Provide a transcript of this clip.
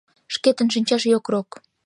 Шкетын шинчаш йокрок.